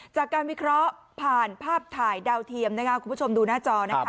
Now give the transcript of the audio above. จากการวิเคราะห์ผ่านภาพถ่ายดาวเทียมนะคะคุณผู้ชมดูหน้าจอนะคะ